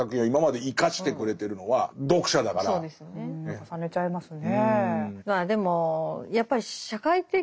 重ねちゃいますね。